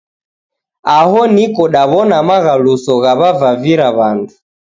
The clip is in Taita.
Aho niko daw'ona maghaluso ghaw'avavira w'andu.